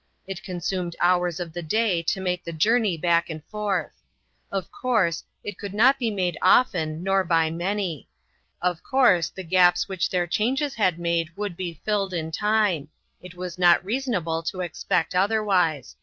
It con sumed hours of the day to make the jour ney back and forth. Of course, it could not be made often, nor by many. Of course, the gaps which their changes had made would be filled in time ; it was not reason able to expect otherwise.